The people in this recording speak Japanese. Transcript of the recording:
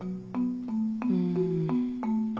うん。